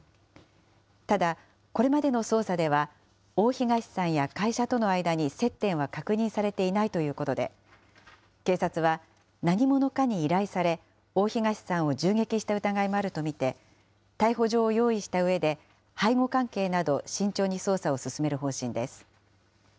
ただ、これまでの捜査では、大東さんや会社との間に接点は確認されていないということで、警察は、何者かに依頼され、大東さんを銃撃した疑いもあると見て、逮捕状を用意したうえで、背後関係など、慎重に捜査を進める方針です。